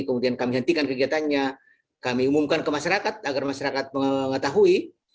kemudian kami hentikan kegiatannya kami umumkan ke masyarakat agar masyarakat mengetahui